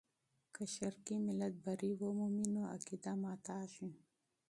که شرقي ملت بری ومومي، نو عقیده ماتېږي.